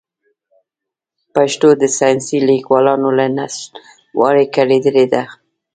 پښتو د ساینسي لیکوالانو له نشتوالي کړېدلې ده.